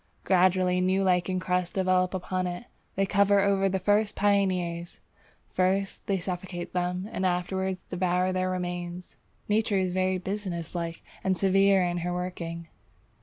Gradually new lichen crusts develop upon it. They cover over the first pioneers; first they suffocate them and afterwards devour their remains. Nature is very businesslike and severe in her working.